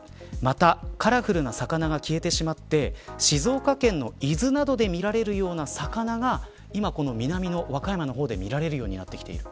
また、カラフルな魚が消えてしまって静岡県の伊豆などで見られるような魚が今、南の和歌山の方で見られるようになってきている。